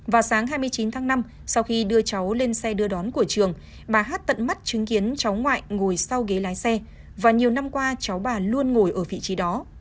vào sáng hai mươi chín tháng năm sau khi đưa cháu lên xe đưa đón của trường bà hát tận mắt chứng kiến cháu ngoại ngồi sau ghế lái xe và nhiều năm qua cháu bà luôn ngồi ở vị trí đó